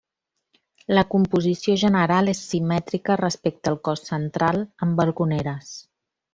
La composició general és simètrica respecte al cos central, amb balconeres.